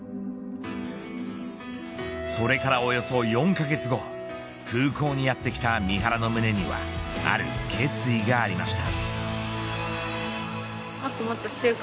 それからおよそ４カ月後空港にやってきた三原の胸にはある決意がありました。